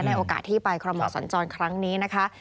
โอกาสที่ไปคอรมอสัญจรครั้งนี้นะคะ